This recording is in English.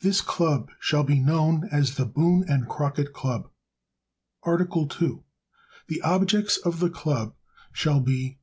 This Club shall be known as the Boone and Crockett Club. Article II. The objects of the Club shall be 1.